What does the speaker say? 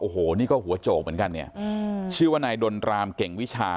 โอ้โหนี่ก็หัวโจกเหมือนกันเนี่ยชื่อว่านายดนรามเก่งวิชา